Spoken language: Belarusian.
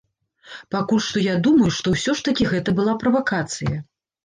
Пакуль што я думаю, што ўсё ж такі гэта была правакацыя.